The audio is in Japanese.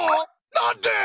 なんで！？